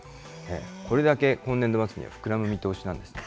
これだけ今年度末には膨らむ見通しなんですね。